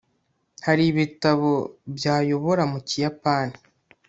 hari ibitabo byayobora mu kiyapani